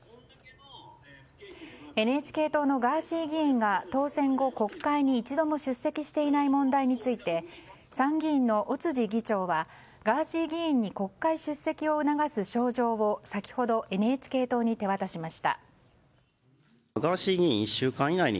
ＮＨＫ党のガーシー議員が当選後、国会に一度も出席していない問題について参議院の尾辻議長はガーシー議員に国会出席を促す招状を先ほど、ＮＨＫ党に手渡しました。